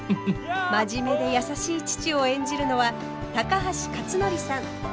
真面目で優しい父を演じるのは高橋克典さん。